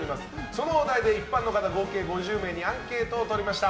そのお題で一般の方合計５０人にアンケートを取りました。